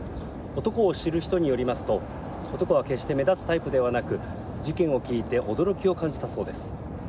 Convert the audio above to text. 男を知る人によりますと男は決して目立つタイプではなく事件を聞いて驚きを感じたそうです。